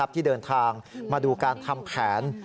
ที่เดินทางมาดูการทำแผน